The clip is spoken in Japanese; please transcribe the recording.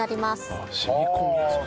あっ染み込みやすく。